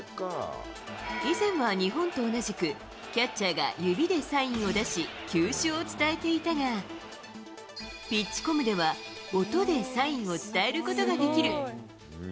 以前は日本と同じく、キャッチャーが指でサインを出し、球種を伝えていたが、ピッチコムでは、音でサインを伝えることができる。